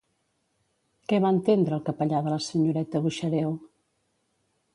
Què va entendre el capellà de la senyoreta Buxareu?